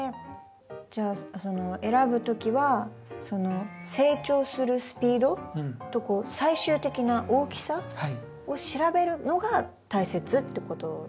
じゃあ選ぶときは成長するスピードと最終的な大きさを調べるのが大切ってことですね。